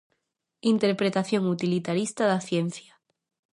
Interpretación utilitarista da ciencia.